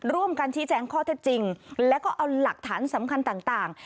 ร่วมกันชี้แจงข้อเท็จจริงแล้วก็เอาหลักฐานสำคัญต่าง